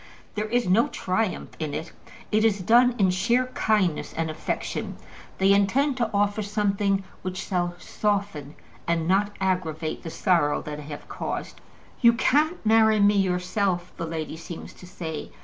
There is no triumph in it. It is done in sheer kindness and affection. They intend to offer something which shall soften and not aggravate the sorrow that they have caused. "You can't marry me yourself," the lady seems to say.